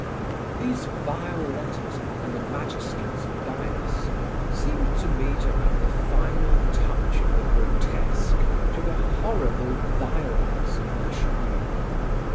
These vile letters and the magistrate's bias, seemed to me to add the final touch of the grotesque to the horrible vileness of the trial.